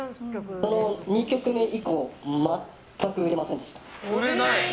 ２曲目以降全く売れませんでした。